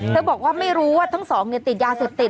บอกว่าไม่รู้ว่าทั้งสองติดยาเสพติด